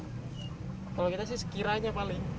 kalau kita sih sekiranya paling